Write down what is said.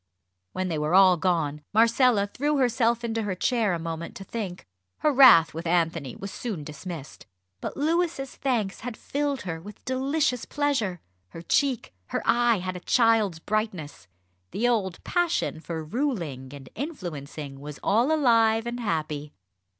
When they were all gone Marcella threw herself into her chair a moment to think. Her wrath with Anthony was soon dismissed. But Louis's thanks had filled her with delicious pleasure. Her cheek, her eye had a child's brightness. The old passion for ruling and influencing was all alive and happy.